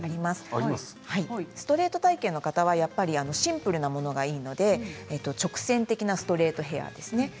ストレート体型の方はやっぱりシンプルなものがいいので直線的なストレートヘアですね。